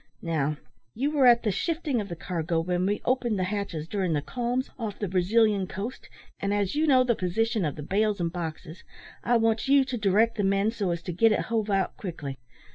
Now, you were at the shifting of the cargo when we opened the hatches during the calms off the Brazilian coast, and as you know the position of the bales and boxes, I want you to direct the men so as to get it hove out quickly.